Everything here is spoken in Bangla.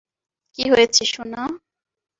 কী হয়েছে, সোনা?